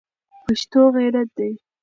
پښتو غیرت دی